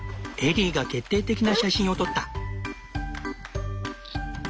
エリーが決定的な写真を撮った。